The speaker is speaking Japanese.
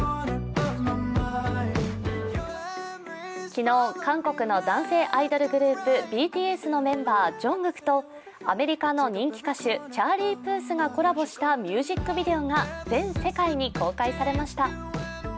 昨日、韓国の男性アイドルグループ、ＢＴＳのメンバー・ＪＵＮＧＫＯＯＫとアメリカの人気歌手、チャーリー・プースがコラボしたミュージックビデオが全世界に公開されました。